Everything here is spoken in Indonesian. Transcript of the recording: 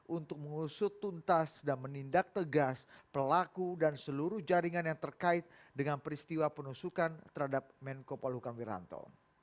untuk mengusut tuntas dan menindak tegas pelaku dan seluruh jaringan yang terkait dengan peristiwa penusukan terhadap menko polhukam wiranto